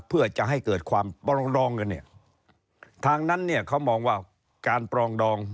เพื่อจะให้เกิดความปรองดองกันเนี่ยทางนั้นเนี่ยเขามองว่าการปรองดอง